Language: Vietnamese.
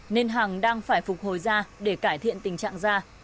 nên hàng đang phải phục hồi da để cải thiện tình trạng da